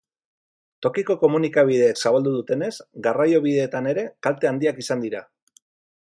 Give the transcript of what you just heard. Tokiko komunikabideek zabaldu dutenez, garraiobideetan ere kalte handiak izan dira.